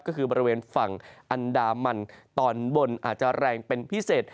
ก็คือบริเวณฝั่งอันดามันตอนบนอาจจะแรงเป็นพิเศษ